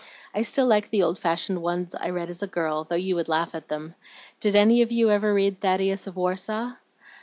I still like the old fashioned ones I read as a girl, though you would laugh at them. Did any of you ever read 'Thaddeus of Warsaw'?"